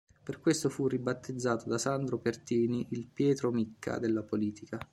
Per questo fu ribattezzato da Sandro Pertini il “Pietro Micca” della politica.